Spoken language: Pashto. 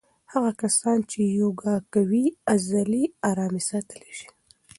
هغه کسان چې یوګا کوي عضلې آرامې ساتلی شي.